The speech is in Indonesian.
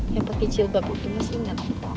yang pakai jilbab itu mas ingat